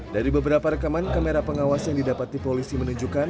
dari beberapa rekaman kamera pengawas yang didapati polisi menunjukkan